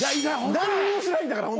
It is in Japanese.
何にもしないんだから。